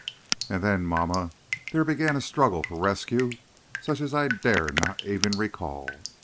"And then, mamma, there began a struggle for rescue such as I dare not even recall.